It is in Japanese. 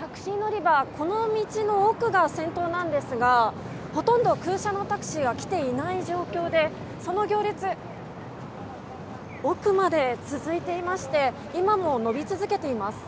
タクシー乗り場、この道の奥が先頭なんですが、ほとんど空車のタクシーが来ていない状況でその行列、奥まで続いていまして今も延び続けています。